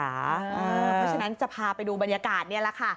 เพราะฉะนั้นจะพาไปดูบรรยากาศนี่แหละค่ะ